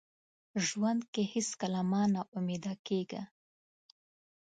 ژوند کې هیڅکله مه ناامیده کیږه.